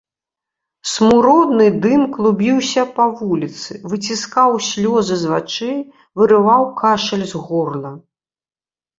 Смуродны дым клубіўся па вуліцы, выціскаў слёзы з вачэй, вырываў кашаль з горла.